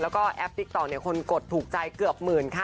แล้วก็แอปติ๊กต๊อกเนี่ยคนกดถูกใจเกือบหมื่นค่ะ